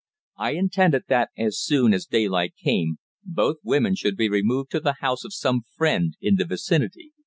I intended that, as soon as daylight came, both women should be removed to the house of some friend in the vicinity.